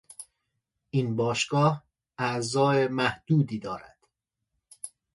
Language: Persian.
این باشگاه اعضا معدودی دارد.